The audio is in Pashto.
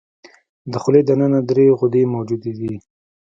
د خولې د ننه درې غدې موجودې دي.